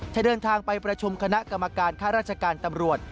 เดินทางไปประชุมคณะกรรมการค่าราชการตำรวจ